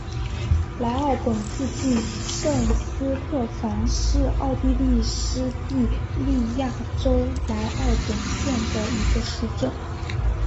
莱奥本附近圣斯特凡是奥地利施蒂利亚州莱奥本县的一个市镇。